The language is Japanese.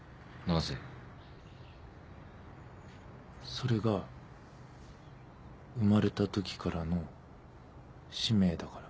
それが生まれたときからの使命だから。